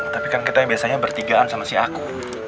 tapi kan kita yang biasanya bertigaan sama si aku